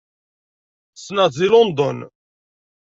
Ssneɣ-tt deg London.